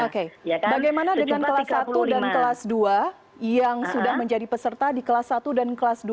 oke bagaimana dengan kelas satu dan kelas dua yang sudah menjadi peserta di kelas satu dan kelas dua